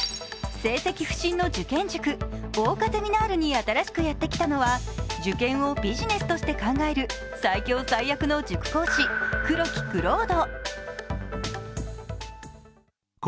成績不振の受験塾、桜花ゼミナールに新しくやってきたのは受験をビジネスとして考える最強最悪の塾講師、黒木蔵人。